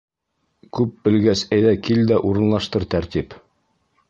Күп белгәс, әйҙә, кил дә урынлаштыр тәртип.